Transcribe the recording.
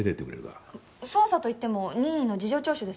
捜査といっても任意の事情聴取ですよね？